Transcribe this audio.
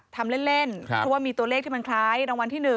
ทำเล่นเพราะว่ามีตัวเลขที่มันคล้ายรางวัลที่๑